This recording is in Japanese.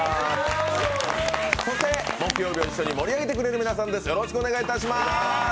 そして、木曜日を一緒に盛り上げてくれる皆さんです。